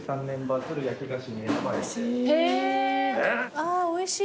あぁおいしい。